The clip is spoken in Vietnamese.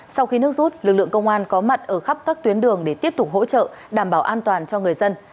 sau khi nước rút lực lượng công an có mặt ở khắp các tuyến đường để tiếp tục hỗ trợ đảm bảo an toàn cho người dân